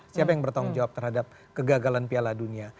siapa yang bertanggung jawab terhadap kegagalan piala dunia